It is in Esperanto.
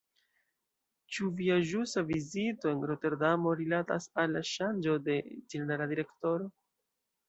Ĉu via ĵusa vizito en Roterdamo rilatas al la ŝanĝo de ĝenerala direktoro?